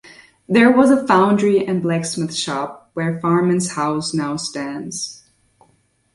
There was a foundry and blacksmith shop where Farman's house now stands.